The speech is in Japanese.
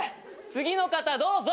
次の方どうぞ。